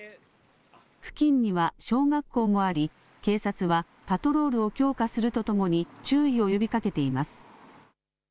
付近には小学校もあり、警察はパトロールを強化するとともに注意を呼びかけています。